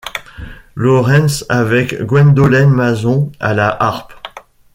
Lawrence avec Gwendolen Mason à la harpe.